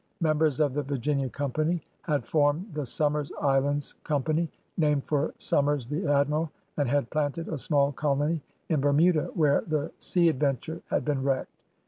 Members of the Virginia Company had formed the Somers Islands Com pany — named for Somers the Admiral — and had planted a small colony in Bermuda where the Sea Adventure had been wrecked.